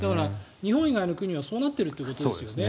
日本以外の国はそうなってるということですね。